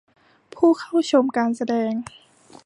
ผู้เข้าชมการแสดง